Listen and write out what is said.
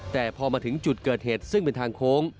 แต่พอมาถึงจุดเกิดเหตุซึ่งเป็นทางโค้ง